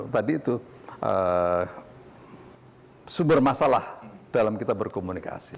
tadi itu sumber masalah dalam kita berkomunikasi